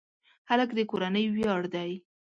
هلک د کورنۍ ویاړ دی.